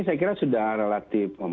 saya kira sudah relatif